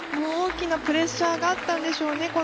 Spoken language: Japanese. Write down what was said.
大きなプレッシャーがあったんでしょうね。